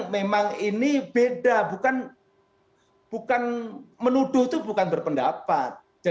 memang ini beda bukan menuduh itu bukan berpendapat